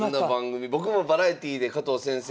僕もバラエティーで加藤先生